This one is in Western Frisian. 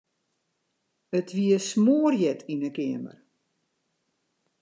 It wie smoarhjit yn 'e keamer.